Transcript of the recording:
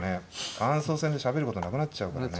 感想戦でしゃべることなくなっちゃうからね。